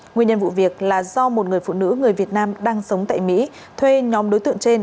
nguyên nhân vụ việc là do một người phụ nữ người việt nam đang sống tại mỹ thuê nhóm đối tượng trên